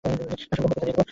আমি মোমবাতি জ্বালিয়ে দেব।